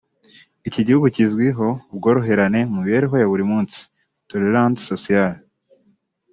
Iki gihugu kizwiho ubworoherane mu mu mibereho ya buri munsi (tolérance sociale)